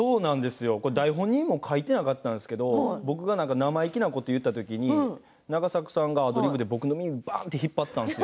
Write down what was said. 台本にも書いていなかったんですけど僕が生意気なことを言った時に永作さんがアドリブで僕の耳を引っ張ったんですよ。